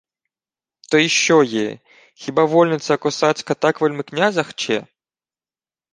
— То й що є? Хіба вольниця косацька так вельми князя хче?